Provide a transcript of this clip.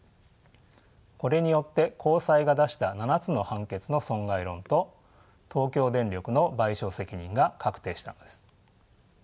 これによって高裁が出した７つの判決の損害論と東京電力の賠償責任が確定したのです。